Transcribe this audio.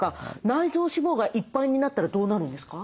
内臓脂肪がいっぱいになったらどうなるんですか？